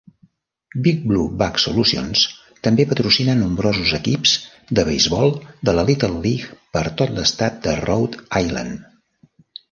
Big Blue Bug Solutions també patrocina nombrosos equips de beisbol de la Little League per tot l'Estat de Rhode Island.